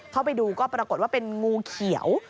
เข้าไปดูก็ปรากฏว่าเป็นงูเขียว